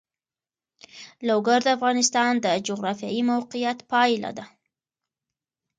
لوگر د افغانستان د جغرافیایي موقیعت پایله ده.